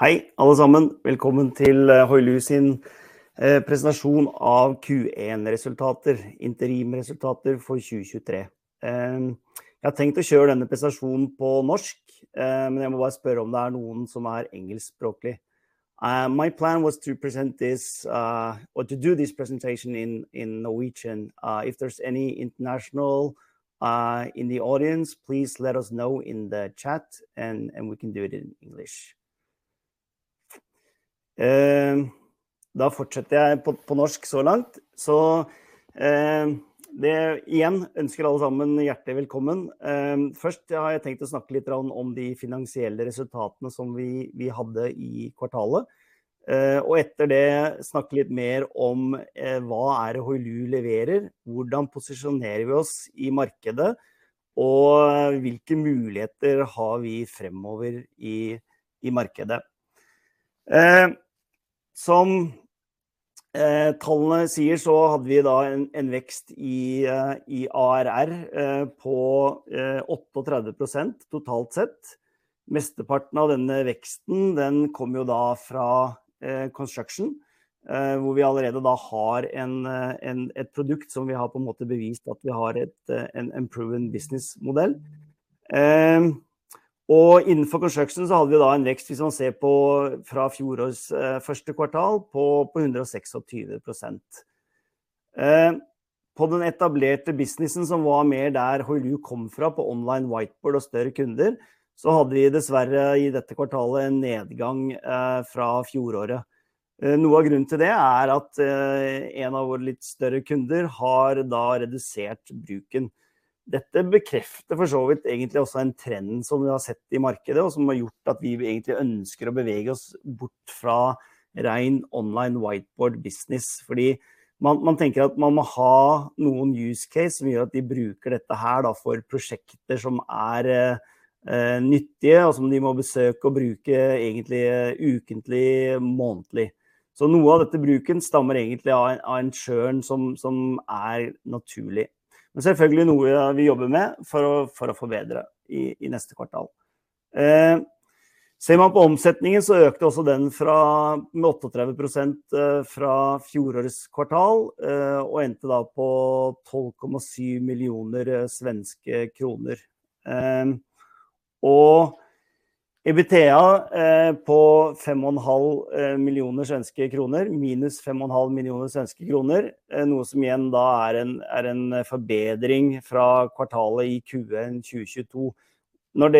Hei alle sammen! Velkommen til Hoylu sin presentasjon av Q1 resultater interim resultater for 2023. Jeg har tenkt å kjøre denne presentasjonen på norsk, men jeg må bare spørre om det er noen som er engelskspråklig? My plan was to present this or to do this presentation in Norwegian. If there's any international in the audience, please let us know in the chat and we can do it in English. Da fortsetter jeg på norsk så langt. Det igjen ønsker alle sammen hjertelig velkommen! Først har jeg tenkt å snakke litt om de finansielle resultatene som vi hadde i kvartalet, og etter det snakke litt mer om hva er det Hoylu leverer? Hvordan posisjonerer vi oss i markedet og hvilke muligheter har vi fremover i markedet? Som tallene sier så hadde vi da en vekst i ARR på 38% totalt sett. Mesteparten av denne veksten den kom jo da fra Construction, hvor vi allerede da har et produkt som vi har på en måte bevist at vi har en proven businessmodell. Innenfor Construction så hadde vi da en vekst hvis man ser på fra fjorårets first quarter på 126%. På den etablerte businessen som var mer der Hoylu kom fra på online whiteboard og større kunder, så hadde vi dessverre i dette kvartalet en nedgang fra fjoråret. Noe av grunnen til det er at en av våre litt større kunder har da redusert bruken. Dette bekrefter for så vidt egentlig også en trend som vi har sett i markedet, og som har gjort at vi egentlig ønsker å bevege oss bort fra ren online whiteboard business fordi man tenker at man må ha noen use case som gjør at de bruker dette her da for prosjekter som er nyttige og som de må besøke og bruke egentlig ukentlig, månedlig. Noe av dette bruken stammer egentlig fra en churn som er naturlig, men selvfølgelig noe vi jobber med for å forbedre i neste kvartal. Ser man på omsetningen, økte også den fra med 38% fra fjorårets kvartal, og endte da på SEK 12.7 million. EBITDA på SEK 5.5 million, minus SEK 5.5 million, noe som igjen da er en forbedring fra kvartalet i 2022. Når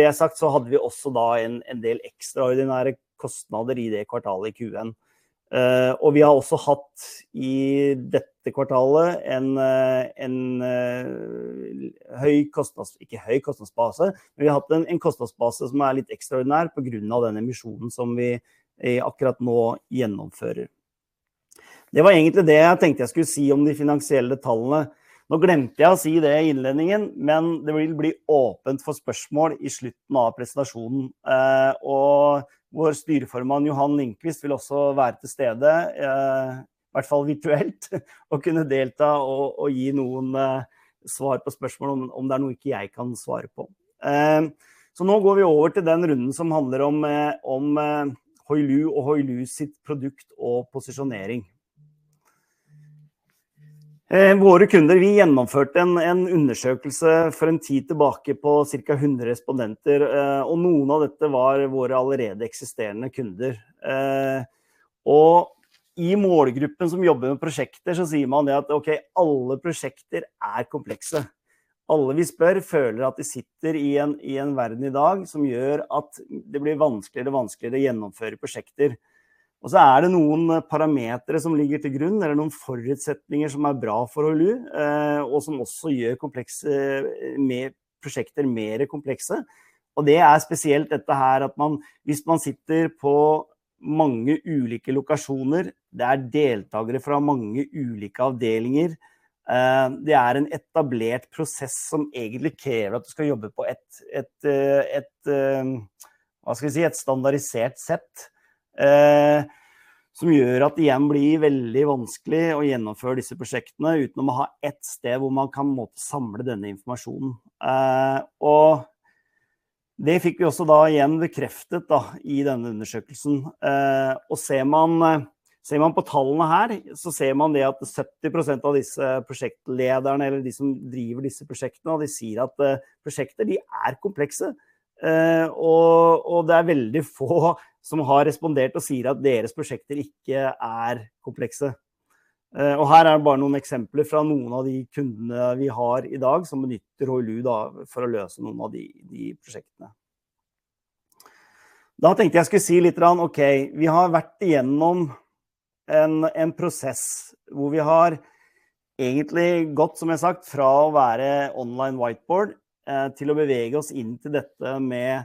det er sagt, så hadde vi også da en del ekstraordinære kostnader i det kvartalet i Q1. Vi har også hatt i dette kvartalet en høy kostnads, ikke høy kostnadsbase. Men vi har hatt en kostnadsbase som er litt ekstraordinær på grunn av denne emisjonen som vi akkurat nå gjennomfører. Det var egentlig det jeg tenkte jeg skulle si om de finansielle tallene. Glemte jeg å si det i innledningen, men det vil bli åpent for spørsmål i slutten av presentasjonen, vår Styreformann Johan Lindqvist vil også være til stede, i hvert fall virtuelt, og kunne delta og gi noen svar på spørsmål om det er noe ikke jeg kan svare på. går vi over til den runden som handler om Hoylu og Hoylu sitt produkt og posisjonering. Våre kunder, vi gjennomførte en undersøkelse for en tid tilbake på cirka 100 respondenter, noen av dette var våre allerede eksisterende kunder. i målgruppen som jobber med prosjekter så sier man det at okay, alle prosjekter er komplekse. Alle vi spør føler at de sitter i en verden i dag som gjør at det blir vanskeligere og vanskeligere å gjennomføre prosjekter. er det noen parametere som ligger til grunn. Det er noen forutsetninger som er bra for Hoylu, og som også gjør komplekse med prosjekter mere komplekse. Det er spesielt dette her at man hvis man sitter på mange ulike lokasjoner, det er deltakere fra mange ulike avdelinger. Det er en etablert prosess som egentlig krever at du skal jobbe på et. Hva skal jeg si? Et standardisert sett, som gjør at det igjen blir veldig vanskelig å gjennomføre disse prosjektene uten å ha ett sted hvor man kan samle denne informasjonen. Det fikk vi også da igjen bekreftet da i denne undersøkelsen. Ser man på tallene her så ser man det at 70% av disse prosjektlederne eller de som driver disse prosjektene, og de sier at prosjekter de er komplekse og det er veldig få som har respondert og sier at deres prosjekter ikke er komplekse. Her er bare noen eksempler fra noen av de kundene vi har i dag som benytter Hoylu da for å løse noen av de prosjektene. Tenkte jeg skulle si littegrann okay, vi har vært igjennom en prosess hvor vi har egentlig gått som jeg sagt fra å være online whiteboard til å bevege oss inn til dette med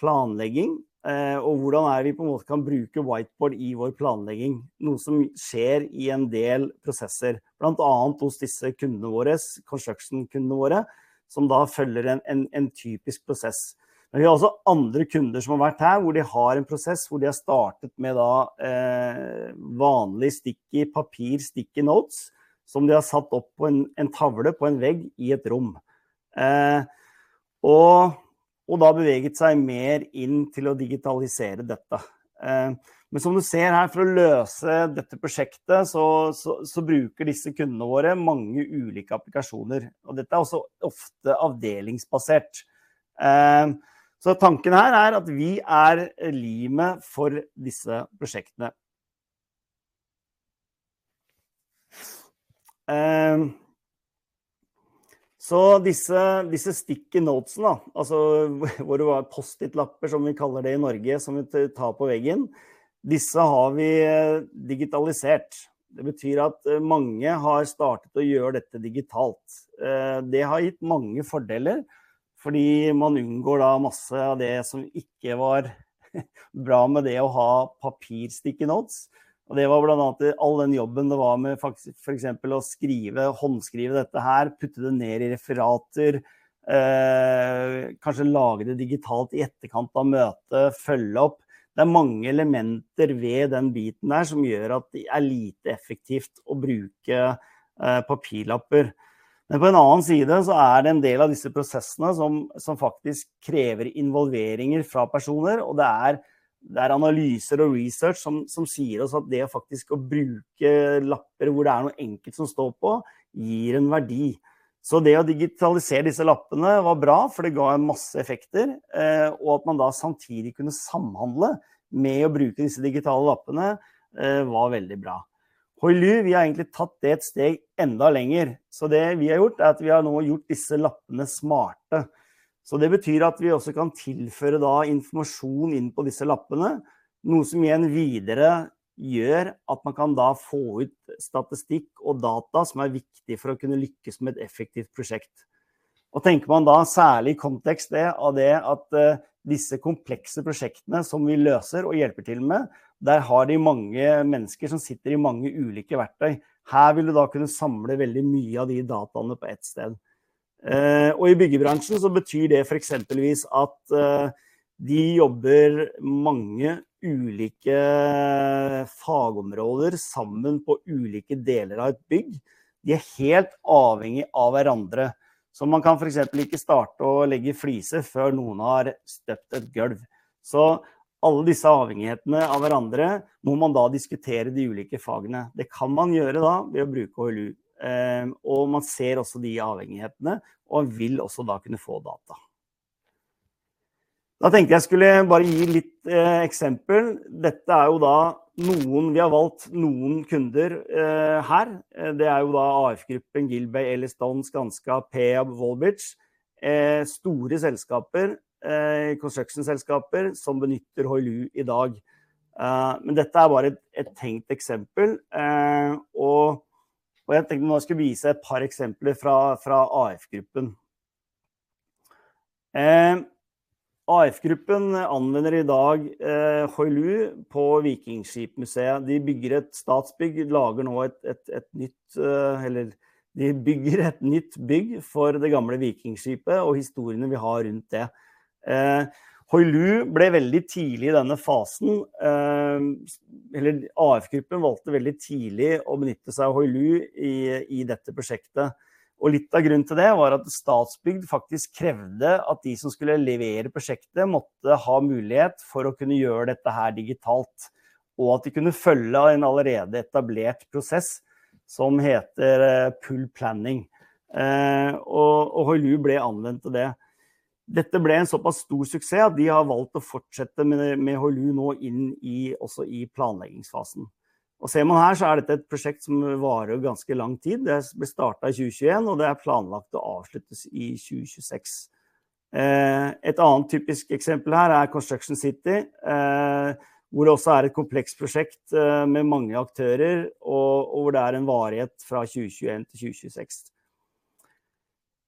planlegging. Hvordan er det vi på en måte kan bruke whiteboard i vår planlegging? Noe som skjer i en del prosesser, blant annet hos disse kundene våres Construction kundene våre som da følger en typisk prosess. Vi har også andre kunder som har vært her, hvor de har en prosess hvor de har startet med da vanlig sticky papir sticky notes som de har satt opp på en tavle på en vegg i et rom. Og da beveget seg mer inn til å digitalisere dette. Men som du ser her for å løse dette prosjektet så bruker disse kundene våre mange ulike applikasjoner, og dette er også ofte avdelingsbasert. Så tanken her er at vi er limet for disse prosjektene. Så disse sticky notes'ene da, altså hvor det var Post-it lapper som vi kaller det i Norge som du tar på veggen. Disse har vi digitalisert. Det betyr at mange har startet å gjøre dette digitalt. Det har gitt mange fordeler fordi man unngår da masse av det som ikke var bra med det å ha papir sticky notes. Det var blant annet all den jobben det var med for eksempel å skrive og håndskrive dette her, putte det ned i referater, kanskje lagre det digitalt i etterkant av møtet, følge opp. Det er mange elementer ved den biten der som gjør at det er lite effektivt å bruke, papirlapper. På en annen side så er det en del av disse prosessene som faktisk krever involvering fra personer, og det er analyser og research som sier oss at det å faktisk å bruke lapper hvor det er noe enkelt som står på gir en verdi. Det å digitalisere disse lappene var bra, for det ga en masse effekter, og at man da samtidig kunne samhandle med å bruke disse digitale lappene, var veldig bra. Hoylu, vi har egentlig tatt det et steg enda lenger. Det vi har gjort er at vi har nå gjort disse lappene smarte. Det betyr at vi også kan tilføre da informasjon inn på disse lappene, noe som igjen videre gjør at man kan da få ut statistikk og data som er viktig for å kunne lykkes med et effektivt prosjekt. Tenker man da særlig i kontekst det av det at disse komplekse prosjektene som vi løser og hjelper til med, der har de mange mennesker som sitter i mange ulike verktøy. Her vil du da kunne samle veldig mye av de dataene på ett sted. I byggebransjen betyr det for eksempelvis at de jobber mange ulike fagområder sammen på ulike deler av et bygg. De er helt avhengig av hverandre, man kan for eksempel ikke starte å legge fliser før noen har støpt et gulv. Alle disse avhengighetene av hverandre må man da diskutere de ulike fagene. Det kan man gjøre da ved å bruke Hoylu, man ser også de avhengighetene og vil også da kunne få data. Jeg tenkte jeg skulle bare gi litt eksempel. Dette er jo da noen vi har valgt noen kunder her. Det er jo da AF Gruppen, Gilbane, Ellestad, Skanska, Peab og Volbygg. Store selskaper, construction selskaper som benytter Hoylu i dag. Men dette er bare et tenkt eksempel, og jeg tenkte nå jeg skulle vise et par eksempler fra AF Gruppen. AF Gruppen anvender i dag Hoylu på Vikingskipmuseet. De bygger et Statsbygg, lager nå et nytt eller de bygger et nytt bygg for det gamle vikingskipet og historiene vi har rundt det. Hoylu ble veldig tidlig i denne fasen, eller AF Gruppen valgte veldig tidlig å benytte seg av Hoylu i dette prosjektet, og litt av grunnen til det var at Statsbygg faktisk krevde at de som skulle levere prosjektet måtte ha mulighet for å kunne gjøre dette her digitalt, og at de kunne følge en allerede etablert prosess som heter Pull Planning. Og Hoylu ble anvendt til det. Dette ble en såpass stor suksess at de har valgt å fortsette med Hoylu nå inn i også i planleggingsfasen. Og ser man her så er dette et prosjekt som varer jo ganske lang tid. Det ble startet i 2021, og det er planlagt å avsluttes i 2026. Et annet typisk eksempel her er Construction City, hvor det også er et komplekst prosjekt med mange aktører, og hvor det er en varighet fra 2021 til 2026.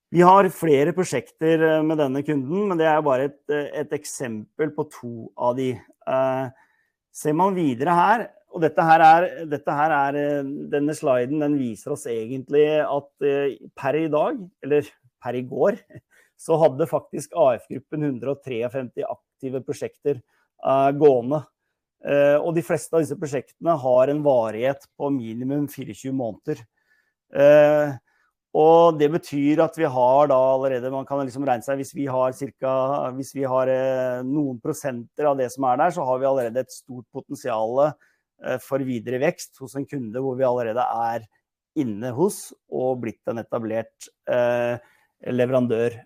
Vi har flere prosjekter med denne kunden, men det er jo bare et eksempel på to av de. Ser man videre her, denne sliden den viser oss egentlig at per i dag eller per i går så hadde faktisk AF Gruppen 153 aktive prosjekter gående. De fleste av disse prosjektene har en varighet på minimum 24 måneder. Det betyr at vi har da allerede man kan liksom regne seg hvis vi har cirka hvis vi har noen prosenter av det som er der, så har vi allerede et stort potensiale, for videre vekst hos en kunde hvor vi allerede er inne hos og blitt en etablert, leverandør.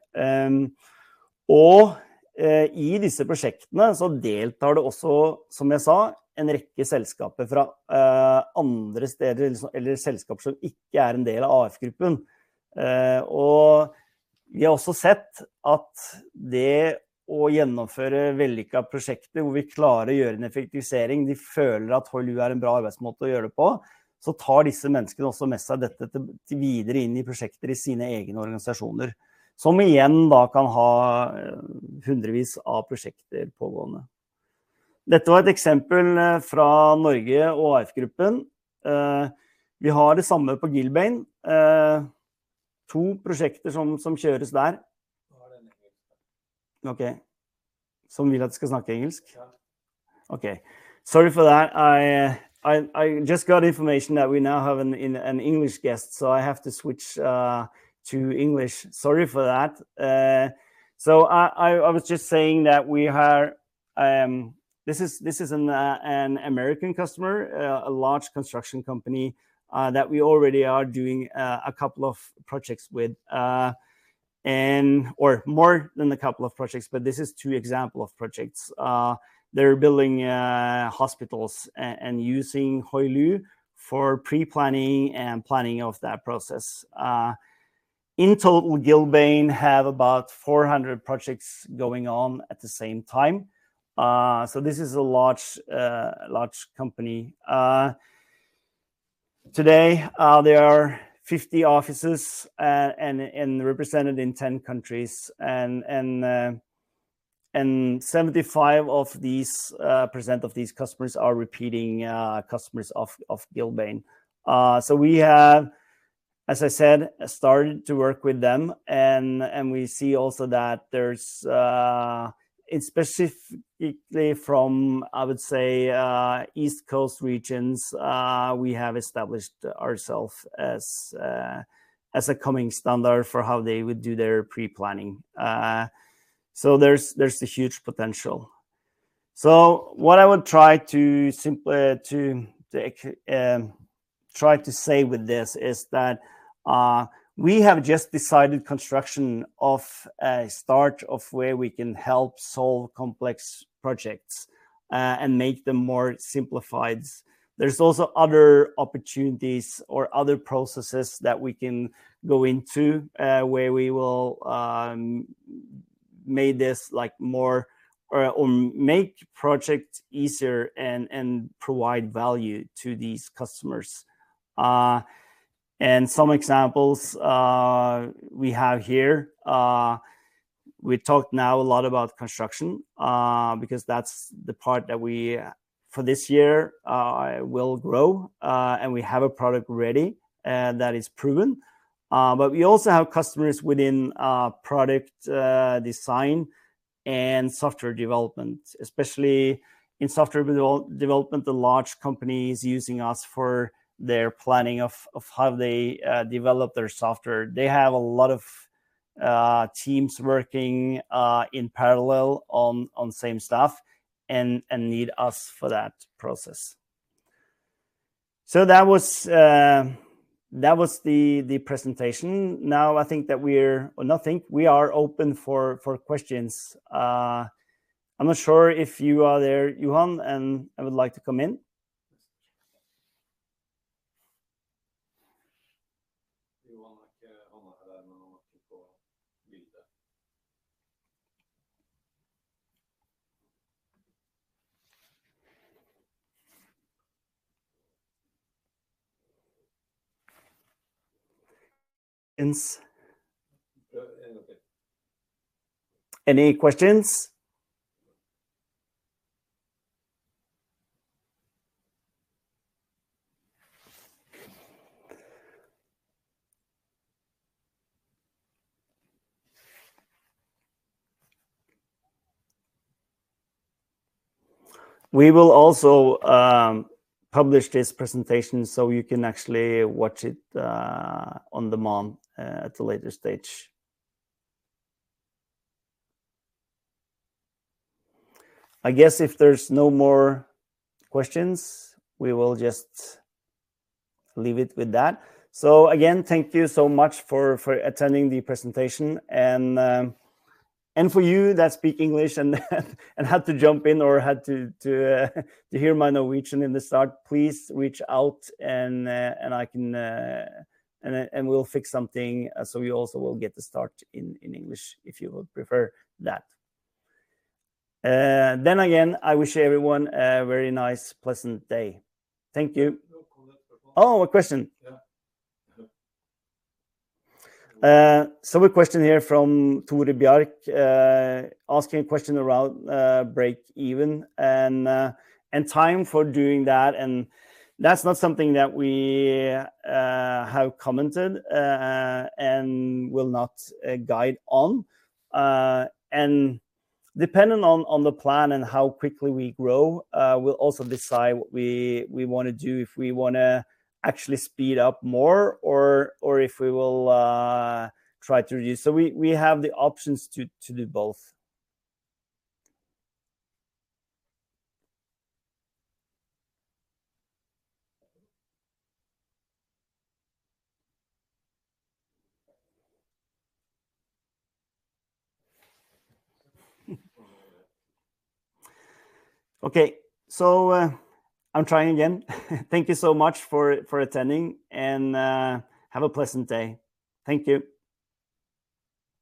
I disse prosjektene så deltar det også, som jeg sa en rekke selskaper fra, andre steder eller selskaper som ikke er en del av AF Gruppen. Vi har også sett at det å gjennomføre vellykka prosjekter hvor vi klarer å gjøre en effektivisering, de føler at Hoylu er en bra arbeidsmåte å gjøre det på. Tar disse menneskene også med seg dette videre inn i prosjekter i sine egne organisasjoner. Som igjen da kan ha hundrevis av prosjekter pågående. Dette var et eksempel fra Norge og AF Gruppen. Vi har det samme på Gilbane. 2 prosjekter som kjøres der. Da var det lenger. Okay. Some will ask us not to English. Yeah. Okay. Sorry for that. I just got information that we now have an English guest, so I have to switch to English. Sorry for that. I was just saying that we are... This is an American customer, a large construction company, that we already are doing a couple of projects with. Or more than a couple of projects, but this is two example of projects. They're building hospitals and using Hoylu for pre-planning and planning of that process. In total, Gilbane have about 400 projects going on at the same time. This is a large company. Today, there are 50 offices and represented in 10 countries. 75% of these customers are repeating customers of Gilbane. We have, as I said, started to work with them, and we see also that there's and specifically from, I would say, East Coast regions, we have established ourself as a coming standard for how they would do their pre-planning. There's a huge potential. What I would try to take, try to say with this is that we have just decided construction of a start of where we can help solve complex projects and make them more simplified. There's also other opportunities or other processes that we can go into, where we will make this like more or make project easier and provide value to these customers. Some examples we have here, we talked now a lot about construction, because that's the part that we for this year will grow, and we have a product ready that is proven. But we also have customers within product design and software development, especially in software development, the large companies using us for their planning of how they develop their software. They have a lot of teams working in parallel on same stuff and need us for that process. That was the presentation. Now I think that we're... or not think, we are open for questions. I'm not sure if you are there, Johan. I would like to come in. Yes. Johan, okay. Any questions? We will also publish this presentation. You can actually watch it on demand at a later stage. I guess if there's no more questions, we will just leave it with that. Again, thank you so much for attending the presentation. For you that speak English and had to jump in or had to hear my Norwegian in the start, please reach out and I can and we'll fix something. You also will get to start in English if you would prefer that. Again, I wish everyone a very nice, pleasant day. Thank you. No comment. Oh, a question. Yeah. A question here from Tore Bjark, asking a question around break even and time for doing that. That's not something that we have commented and will not guide on. Depending on the plan and how quickly we grow, we'll also decide what we wanna do, if we wanna actually speed up more or if we will try to reduce. We have the options to do both. Okay. I'm trying again. Thank you so much for attending and have a pleasant day. Thank you.